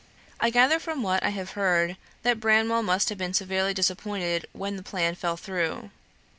I gather from what I have heard, that Branwell must have been severely disappointed when the plan fell through.